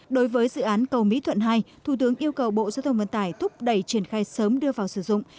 đối với dự án cầu mỹ thuận hai thủ tướng yêu cầu bộ giao thông vận tải thúc đẩy triển khai sớm đưa vào sử dụng